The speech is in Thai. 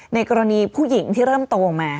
ในกรณีผู้หญิงที่เริ่มโตมา